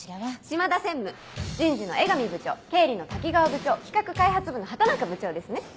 島田専務人事の江上部長経理の滝川部長企画開発部の畑中部長ですね。